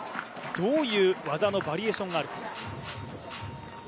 どういう技のバリエーションがあるか。